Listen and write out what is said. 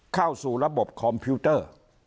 เข้าสู่ระบบคอมพิวเตอร์